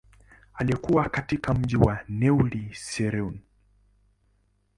Alikua katika mji wa Neuilly-sur-Seine.